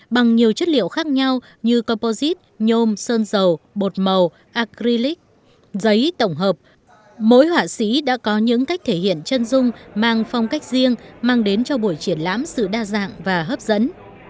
bằng nhiều chất liệu khác nhau như coposite nhôm sơn dầu bột màu acrylic giấy tổng hợp mỗi họa sĩ đã có những cách thể hiện chân dung mang phong cách riêng mang đến cho buổi triển lãm sự đa dạng và hấp dẫn